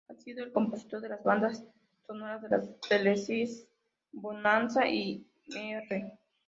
Ha sido el compositor de las bandas sonoras de las teleseries "Bonanza" y "Mr.